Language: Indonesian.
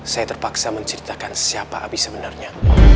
saya terpaksa menceritakan siapa api sebenarnya